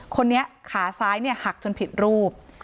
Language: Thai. คนนี้ขาซ้ายหักจนผิดรูป